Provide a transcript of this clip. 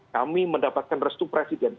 kami mendapatkan restu presiden